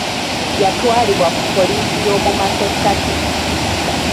Yatwalibwa ku poliisi y'omu masekkati.